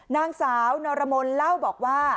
นางสาวนรมนเล่าบอกว่า